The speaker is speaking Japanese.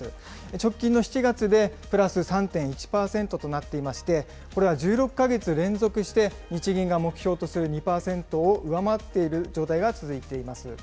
直近の７月でプラス３．１％となっていまして、これは１６か月連続して日銀が目標とする２％を上回っている状態が続いています。